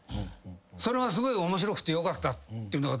それはすごい面白くてよかったっていうんだけど。